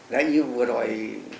đấy như vừa rồi